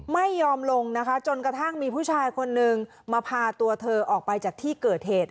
ไม่ยอมลงนะคะจนกระทั่งมีผู้ชายคนนึงมาพาตัวเธอออกไปจากที่เกิดเหตุ